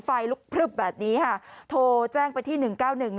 ไฟลุกพลึบแบบนี้ค่ะโทรแจ้งไปที่หนึ่งเก้าหนึ่ง